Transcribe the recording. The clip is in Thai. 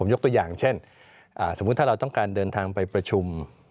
ยกตัวอย่างเช่นสมมุติถ้าเราต้องการเดินทางไปประชุม